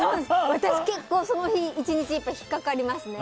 私、結構、その日１日引っかかりますね。